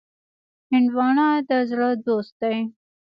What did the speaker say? هندوانه د زړه دوست دی.